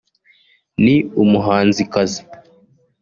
ni umuhanzikazi